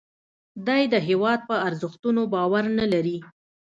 دی د هیواد په ارزښتونو باور نه لري